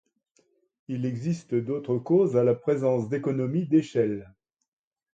Il existe d'autres causes à la présence d'économies d'échelle.